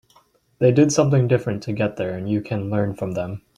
They did something different to get there and you can learn from them.